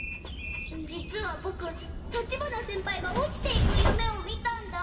実はボク立花先輩が落ちていく夢を見たんだ！